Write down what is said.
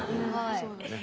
そうですね。